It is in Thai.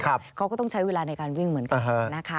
เขาก็ต้องใช้เวลาในการวิ่งเหมือนกันนะคะ